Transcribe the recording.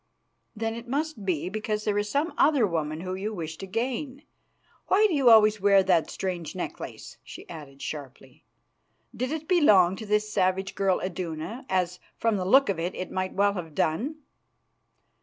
"Then it must be because there is some other woman whom you wish to gain. Why do you always wear that strange necklace?" she added sharply. "Did it belong to this savage girl Iduna, as, from the look of it, it might well have done?"